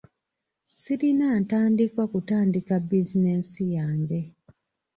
Sirina ntandikwa kutandika bizinensi yange.